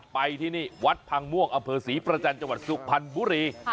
ไปที่นี่วัดพังม่วงอำเภอศรีประจันทร์จังหวัดสุพรรณบุรี